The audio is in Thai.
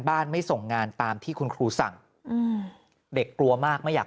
ไม่ส่งงานตามที่คุณครูสั่งอืมเด็กกลัวมากไม่อยาก